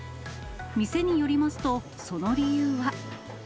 店によりますと、その理由は。